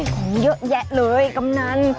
ของเยอะแยะเลยกำนัน